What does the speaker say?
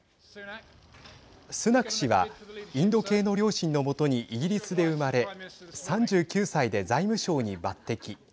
スナク氏はインド系の両親の元にイギリスで生まれ３９歳で財務相に抜てき。